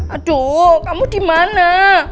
aduh kamu dimana